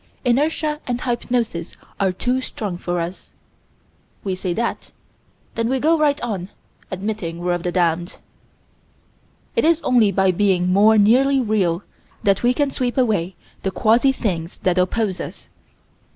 Inertia and hypnosis are too strong for us. We say that: then we go right on admitting we're of the damned. It is only by being more nearly real that we can sweep away the quasi things that oppose us.